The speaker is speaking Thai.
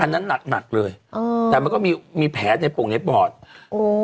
อันนั้นหนักหนักเลยเออแต่มันก็มีมีแผลในโป่งในปอดโอ้